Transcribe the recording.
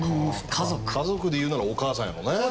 家族で言うならお母さんやもんね。